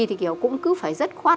thì kiểu cũng cứ phải rất khoát